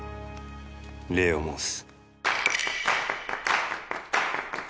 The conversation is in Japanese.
礼を申す。